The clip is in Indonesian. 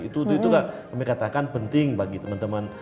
itu kami katakan penting bagi teman teman